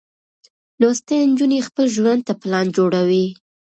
لوستې نجونې خپل ژوند ته پلان جوړوي.